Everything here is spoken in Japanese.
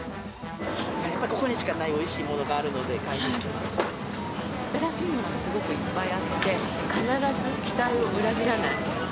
ここにしかないおいしい物が新しいものがすごくいっぱいあって、必ず期待を裏切らない。